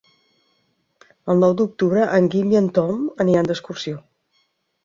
El nou d'octubre en Guim i en Tom aniran d'excursió.